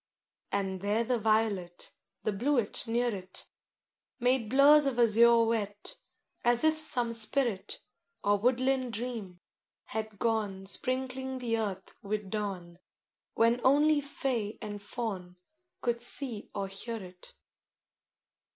II And there the violet, The bluet near it, Made blurs of azure wet As if some spirit, Or woodland dream, had gone Sprinkling the earth with dawn, When only Fay and Faun Could see or hear it.